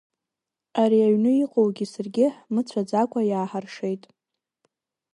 Ари аҩны иҟоугьы саргьы ҳмыцәаӡакәа иааҳаршеит.